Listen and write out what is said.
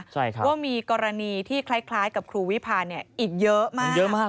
ว่ามีกรณีที่คล้ายกับครูวิภาเนี่ยอีกเยอะมาก